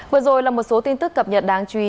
vừa rồi là một số tin tức cập nhật đáng chú ý